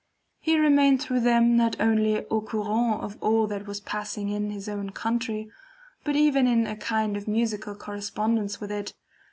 He remained through them not only AU COURANT of all that was passing in his own country, but even in a kind of musical correspondence with it.